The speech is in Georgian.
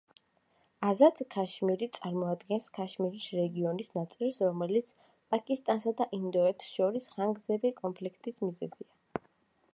აზად-ქაშმირი წარმოადგენს ქაშმირის რეგიონის ნაწილს, რომელიც პაკისტანსა და ინდოეთს შორის ხანგრძლივი კონფლიქტის მიზეზია.